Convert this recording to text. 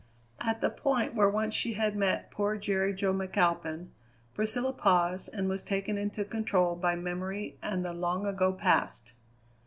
At the point where once she had met poor Jerry Jo McAlpin, Priscilla paused and was taken into control by memory and the long ago Past.